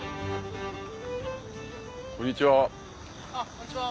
こんにちは。